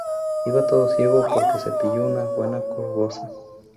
Iba todo ciego porque se pilló una buena cogorza